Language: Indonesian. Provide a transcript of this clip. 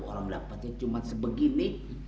orang dapetnya cuman sebegini